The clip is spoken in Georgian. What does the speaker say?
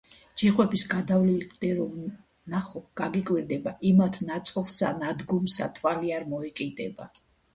ჯიხვების გადავლილი კლდე რომ ნახო გაგიკვირდება იმათ ნაწოლსა ნადგომსა თვალი არ მოეკიდება